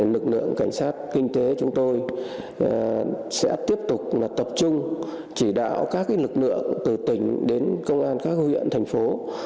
lực lượng cảnh sát kinh tế chúng tôi sẽ tiếp tục tập trung chỉ đạo các lực lượng từ tỉnh đến công an các huyện thành phố